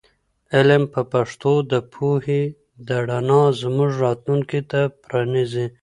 علم په پښتو د پوهې د رڼا زموږ راتلونکي ته پرانیزي.